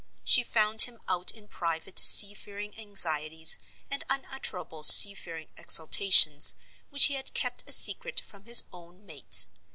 She found him out in private seafaring anxieties and unutterable seafaring exultations which he had kept a secret from his own mate.